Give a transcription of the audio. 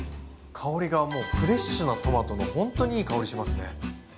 香りがもうフレッシュなトマトのほんとにいい香りしますね。